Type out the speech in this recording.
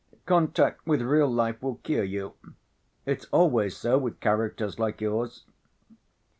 Contact with real life will cure you.... It's always so with characters like yours."